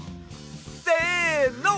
せの！